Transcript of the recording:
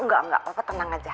gak apa apa tenang aja